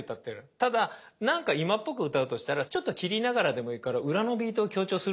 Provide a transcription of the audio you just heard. ただなんか今っぽく歌うとしたらちょっと切りながらでもいいから裏のビートを強調するっていうのはありかもしれない。